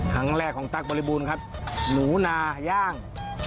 ครั้งแรกของตั๊กบริบูรณ์ครับหนูนาย่าง